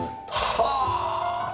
はあ！